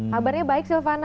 habarnya baik silvana